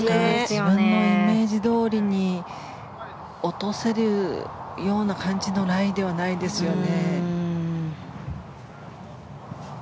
自分のイメージどおりに落とせるような感じのライではないですよね。